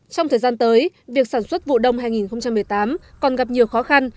trong thời gian tới việc sản xuất vụ đông hai nghìn một mươi tám còn gặp nhiều khó khăn